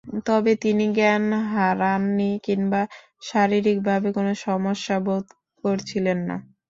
তবে তিনি জ্ঞান হারাননি কিংবা শারীরিকভাবে কোনো সমস্যা বোধ করছিলেন না।